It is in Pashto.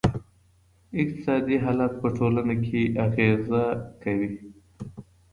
اقتصادي حالت په ټولنه اغېزه کوي.